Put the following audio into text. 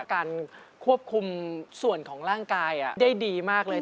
การควบคุมส่วนของร่างกายได้ดีมากเลย